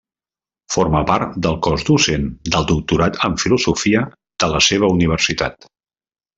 Forma part del cos docent del Doctorat en Filosofia de la seva universitat.